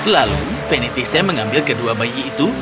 lalu venetisnya mengambil kedua bayi itu